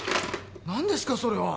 なんですかそれは！